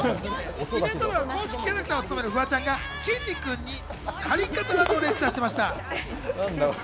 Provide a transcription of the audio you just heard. イベントでは公式キャラクターを務めるフワちゃんがきんに君に借り方などをレクチャーしました。